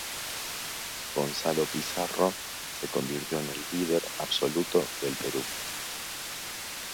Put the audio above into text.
Gonzalo Pizarro se convirtió en el líder absoluto del Perú.